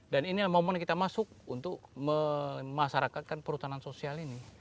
dan inilah momen kita masuk untuk memasarakatkan perhutanan sosial ini